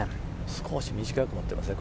少し短く持っていますね